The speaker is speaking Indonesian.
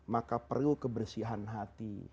maka perlu kebersihan hati